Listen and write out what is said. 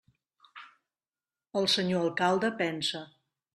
El senyor alcalde pensa.